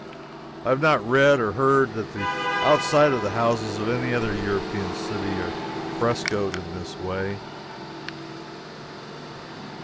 I have not read or heard that the outsides of the houses of any other European city are frescoed in this way.